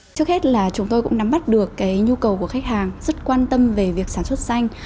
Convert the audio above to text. trước hết là chúng tôi cũng nắm bắt được cái nhu cầu của khách hàng rất quan tâm về việc sản xuất xanh